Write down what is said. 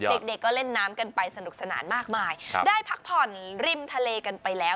เด็กเด็กก็เล่นน้ำกันไปสนุกสนานมากมายได้พักผ่อนริมทะเลกันไปแล้ว